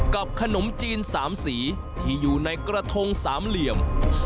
ขนมจีน๓สีที่อยู่ในกระทงสามเหลี่ยม